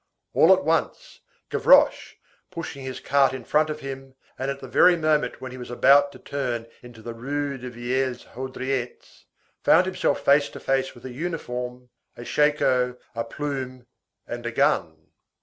All at once, Gavroche, pushing his cart in front of him, and at the very moment when he was about to turn into the Rue des Vieilles Haudriettes, found himself face to face with a uniform, a shako, a plume, and a gun.